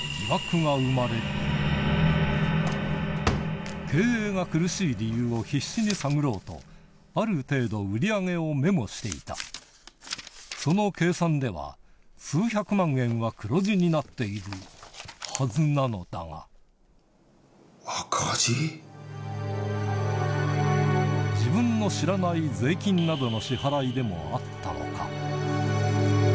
だが生まれる経営が苦しい理由を必死に探ろうとある程度その計算では数百万円は黒字になっているはずなのだが自分の知らない税金などの支払いでもあったのか？